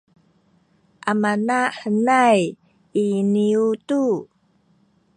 amanahenay iniyu tu